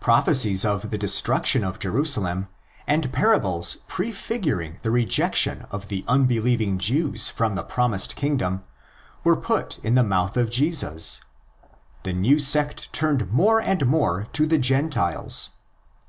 Prophecies of the destruction of Jerusalem, and parables prefiguring the rejection of the unbeliev ing Jews from the promised kingdom, were put in the mouth of Jesus. The new sect turned more and more to the Gentiles.